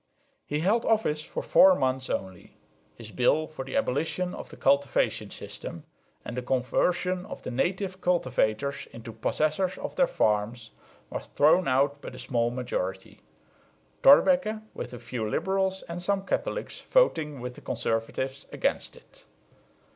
He held office for four months only. His bill for the abolition of the cultivation system and the conversion of the native cultivators into possessors of their farms was thrown out by a small majority, Thorbecke with a few liberals and some Catholics voting with the conservatives against it.